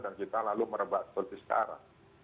dan kita lalu merebak seperti sekarang